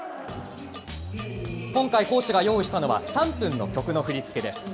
今回、講師が用意したのは、３分の曲の振り付けです。